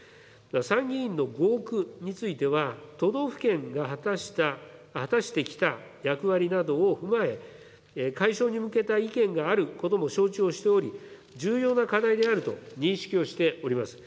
参議院の合区については、都道府県が果たした、果たしてきた役割などを踏まえ、解消に向けた意見があることも承知をしており、重要な課題であると認識をしております。